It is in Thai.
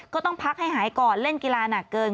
ก็ต้องพักให้หายก่อนเล่นกีฬาหนักเกิน